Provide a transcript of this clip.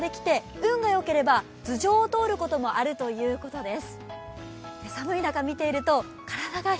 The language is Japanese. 運がよければ、頭上を通ることもあるということです。